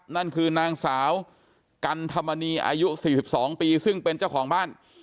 นั่นคือนางสาวกันธรรมนีอายุ๔๒ปีซึ่งเป็นเจ้าของบ้าน